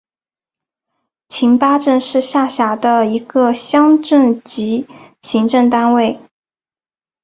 覃巴镇是下辖的一个乡镇级行政单位。